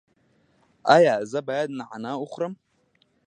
ایا زه باید نعناع وخورم؟